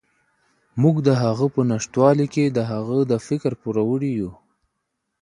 موږ د هغه په نشتوالي کې د هغه د فکر پوروړي یو.